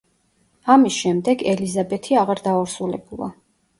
ამის შემდეგ ელიზაბეთი აღარ დაორსულებულა.